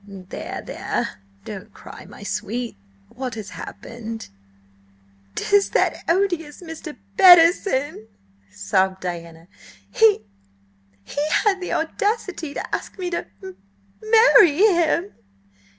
"There, there! Don't cry, my sweet! What has happened?" "'Tis that odious Mr. Bettison!" sobbed Diana "He–he had the audacity to ask me to m marry him!"